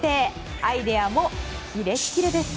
アイデアもキレキレです。